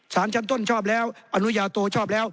สารชั้นต้นชอบแล้วอนุญาโตชอบแล้ว